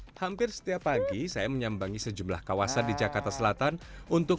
hai hampir setiap pagi saya menyambangi sejumlah kawasan di jakarta selatan untuk